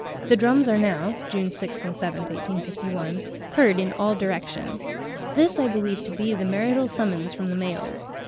"the drums are now (June 6th and 7th, 1851) heard in all directions. This I believe to be the marital summons from the males.